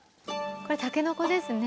これたけのこですね。